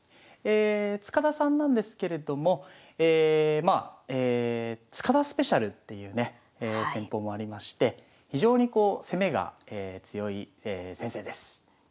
塚田さんなんですけれどもまあ塚田スペシャルっていうね戦法もありまして非常にこう攻めが強い先生です。